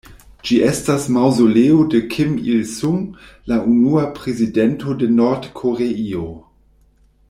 Ĝi estas maŭzoleo de Kim Il-sung, la unua prezidento de Nord-Koreio.